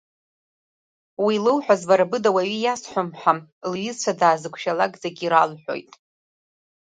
Уи илоуҳәаз, бара быда уаҩы иасҳәом ҳәа, лҩызцәа даазықәшәалак зегьы иралҳәоит.